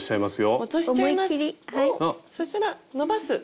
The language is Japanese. そしたら伸ばす？